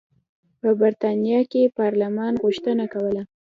په برېټانیا کې پارلمان غوښتنه کوله.